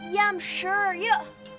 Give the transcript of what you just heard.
ya i'm sure yuk